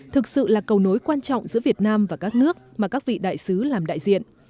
thực sự là cầu nối quan trọng giữa việt nam và các nước mà các vị đại sứ làm đại diện